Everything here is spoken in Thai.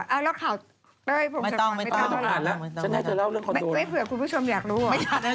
แล้วข่าวเต้ยพงศกรณ์ไม่ต้องอ่านแล้ว